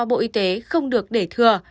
bộ y tế không được để thừa